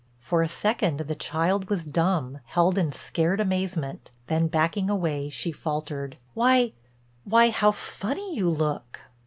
For a second the child was dumb, held in a scared amazement, then backing away she faltered: "Why—why—how funny you look!"